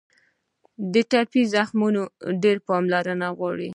د ټپي زخمونه ډېره پاملرنه غواړي.